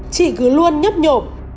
chị cứ luôn nhấp nhộp